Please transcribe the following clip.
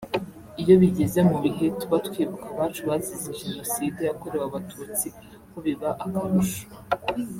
Iyo bigeze mu bihe tuba twibuka abacu bazize Jenoside yakorewe Abatutsi ho biba akarusho